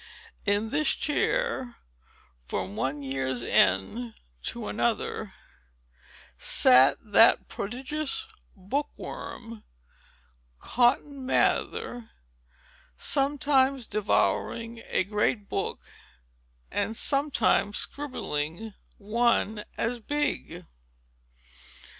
In this chair, from one year's end to another, sat that prodigious book worm, Cotton Mather, sometimes devouring a great book, and sometimes scribbling one as big.